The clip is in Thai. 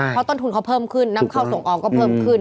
เพราะต้นทุนเขาเพิ่มขึ้นนำเข้าส่งออกก็เพิ่มขึ้น